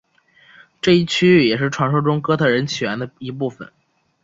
这一区域也是传说中哥特人起源的一部分。